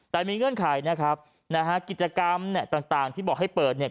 แต่มีเงื่อนไขนะครับนะฮะกิจกรรมเนี่ยต่างที่บอกให้เปิดเนี่ย